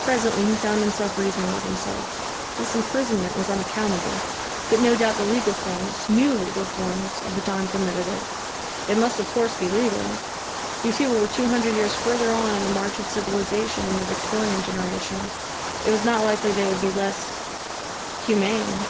Presently he found himself reasoning with himself. This imprisonment was unaccountable, but no doubt the legal forms new legal forms of the time permitted it. It must, of course, be legal. These people were two hundred years further on in the march of civilisation than the Victorian generation. It was not likely they would be less humane.